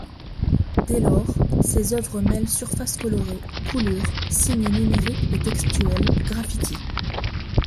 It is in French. Dès lors, ses œuvres mêlent surfaces colorées, coulures, signes numériques et textuels, graffitis.